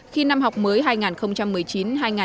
khi năm học mới hai nghìn một mươi chín hai nghìn hai mươi